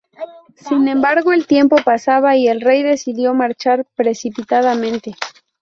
Sin embargo, el tiempo pasaba y el rey decidió marchar precipitadamente.